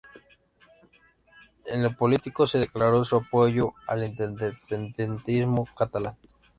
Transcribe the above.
En lo político, es declarado su apoyo al independentismo catalán.